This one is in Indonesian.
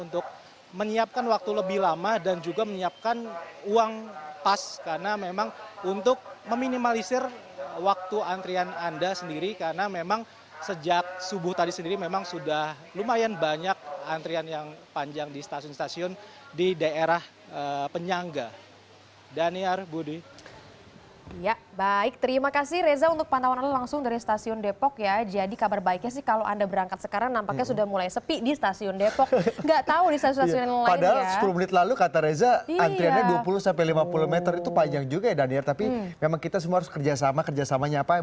tapi memang kita semua harus kerjasama kerjasamanya apa ya